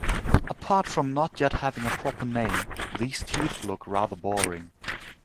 Apart from not yet having a proper name, these teeth look rather boring.